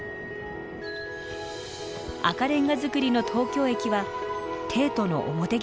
赤レンガ造りの東京駅は帝都の表玄関でした。